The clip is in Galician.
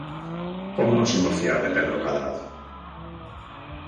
¿Como nos imos fiar de Pedro Cadrado?